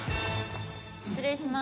失礼します。